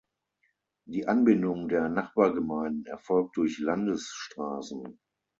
Die Anbindung der Nachbargemeinden erfolgt durch Landesstraßen.